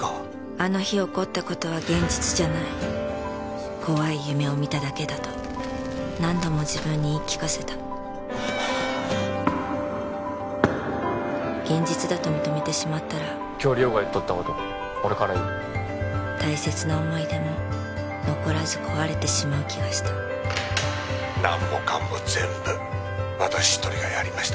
あの日起こったことは現実じゃない怖い夢を見ただけだと何度も自分に言い聞かせた現実だと認めてしまったら今日梨央が言っとったこと俺から言う大切な思い出も残らず壊れてしまう気がした何もかんも全部私一人がやりました